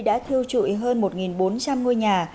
đã thiêu trụi hơn một bốn trăm linh ngôi nhà